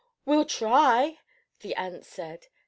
"We'll try," the ants said.